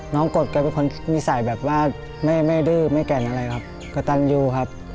กฎแกเป็นคนนิสัยแบบว่าไม่ดื้อไม่แก่นอะไรครับกระตันยูครับ